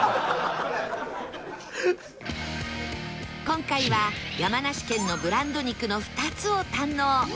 今回は山梨県のブランド肉の２つを堪能